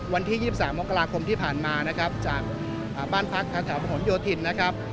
วันที่๒๓องค์กราคมที่ผ่านมานะครับจากบ้านพักทหัวผลโยทินนะครับ